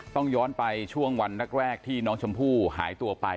ต้องย้อนไปช่วงวันแรกที่น้องชมพู่หายตัวไป